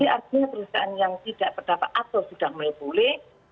jadi artinya perusahaan yang tidak berdampak atau sudah melibuli